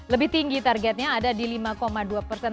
lebih tinggi targetnya ada di lima dua persen